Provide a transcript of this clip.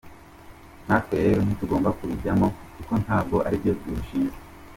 Natwe rero ntitugomba kubijyamo kuko ntabwo ari cyo dushinzwe”.